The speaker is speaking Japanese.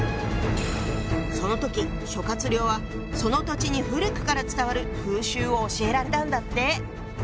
その時諸亮はその土地に古くから伝わる風習を教えられたんだって。